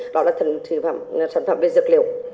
đó là sản phẩm về dược liệu